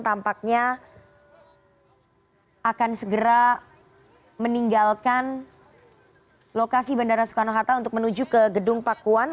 tampaknya akan segera meninggalkan lokasi bandara soekarno hatta untuk menuju ke gedung pakuan